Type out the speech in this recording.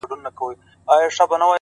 چي موږ ته یې د هیواد د علمي